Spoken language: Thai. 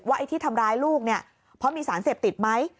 ว่าที่ทำร้ายลูกเนี่ยพอมีสารเสพติดมั้ย